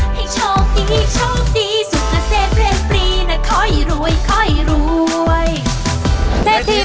ให้โชคดีโชคดีสุขเศษเรียนปรีนะ